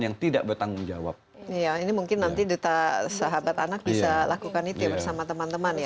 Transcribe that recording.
yang tidak bertanggung jawab iya ini mungkin nanti duta sahabat anak bisa lakukan itu ya bersama teman teman ya